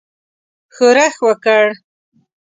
ښورښ وکړ.